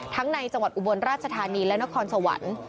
ในจังหวัดอุบลราชธานีและนครสวรรค์